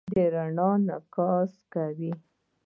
سپوږمۍ د رڼا انعکاس کوي.